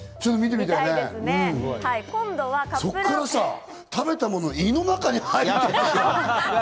そこから食べたものが胃の中に入ると。